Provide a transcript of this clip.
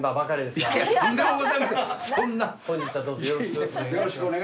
よろしくお願いします。